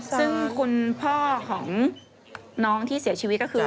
ซึ่งคุณพ่อของน้องที่เสียชีวิตก็คือ